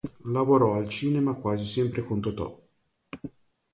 Lavorò al cinema quasi sempre con Totò.